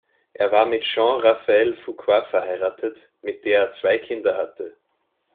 Er war mit Jean Raphael Fuqua verheiratet, mit der er zwei Kinder hatte.